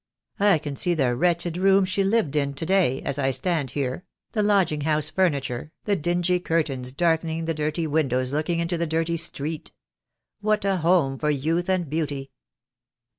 I can see the wretched rooms she lived in, to day, as I stand here — the lodging house furniture, the dingy curtains darkening the dirty windows looking into the dirty street. What a home for youth and beauty!"